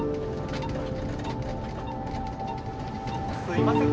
・すいません